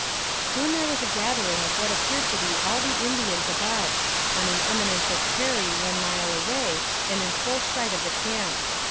Soon there was a gathering of what appeared to be all the Indians about, on an eminence of prairie one mile away, and in full sight of the camp.